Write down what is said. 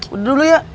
udah dulu ya